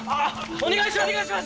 お願いします！